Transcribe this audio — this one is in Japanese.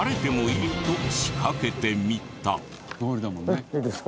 いいですか？